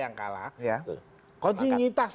yang kalah konjunitas